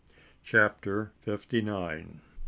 CHAPTER FIFTY NINE.